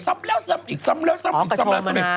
ซ้ำแล้วซ้ำอีกซ้ำแล้วซ้ำอีก